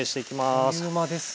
あっという間ですね。